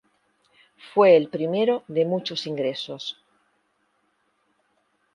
Fue el primero de muchos ingresos.